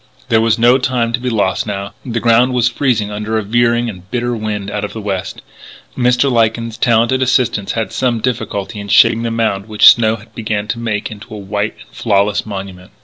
There was no time to be lost now; the ground was freezing under a veering and bitter wind out of the west. Mr. Lyken's talented assistants had some difficulty in shaping the mound which snow began to make into a white and flawless monument.